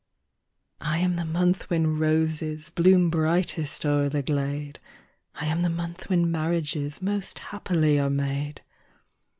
I anl the month when roses Bloom brightest o'er the glade, I am the month when marriages Most happily are made.